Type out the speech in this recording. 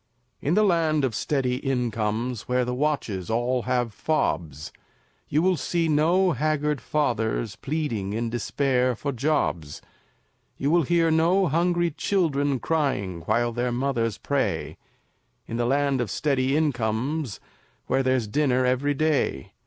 In the Land of Steady Incomes, Where the watches all have fobs, You will see no haggard fathers Pleading, in despair, for jobs; You will hear no hungry children Crying, while their mothers pray, In the Land of Steady Incomes, Where there's dinner every day.